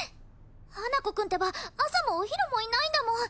花子くんてば朝もお昼もいないんだもん